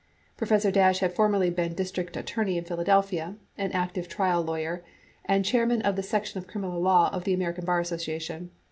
Professor Dash had formerly been district attorney in Philadelphia, an active trial lawyer and chairman of the Section of Criminal Law of the American Bar Association.